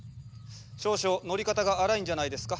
少々乗り方が荒いんじゃないですか？